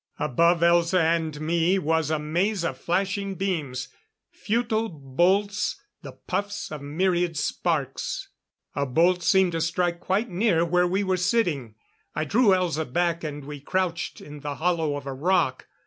Above Elza and me was a maze of flashing beams; futile bolts; the puffs of myriad sparks. A bolt seemed to strike quite near where we were sitting; I drew Elza back and we crouched in the hollow of a rock.